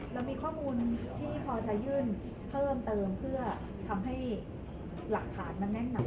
เรามีข้อมูลที่พอจะยื่นเพิ่มเติมเพื่อทำให้หลักฐานมันแน่นหนา